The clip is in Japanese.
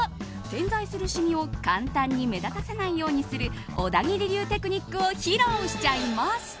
点在するシミを簡単に目立たないようにする小田切流テクニックを披露しちゃいます。